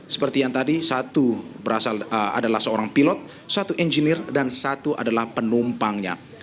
seperti yang tadi satu adalah seorang pilot satu engineer dan satu adalah penumpangnya